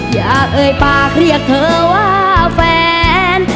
เอ่ยปากเรียกเธอว่าแฟน